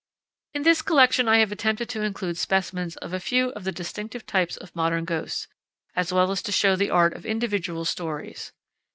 In this collection I have attempted to include specimens of a few of the distinctive types of modern ghosts, as well as to show the art of individual stories.